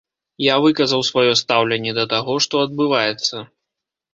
Я выказаў сваё стаўленне да таго, што адбываецца.